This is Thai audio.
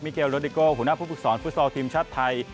เกลโลดิโกหัวหน้าผู้ฝึกสอนฟุตซอลทีมชาติไทย